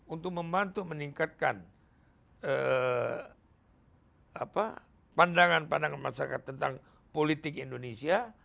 untuk membantu meningkatkan pandangan pandangan masyarakat tentang politik indonesia